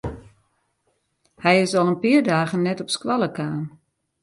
Hy is al in pear dagen net op skoalle kaam.